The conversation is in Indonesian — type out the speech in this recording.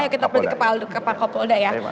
ayo kita pulih ke pak kapolda ya